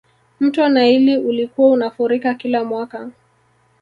mto naili ulikuwa unafurika kila mwaka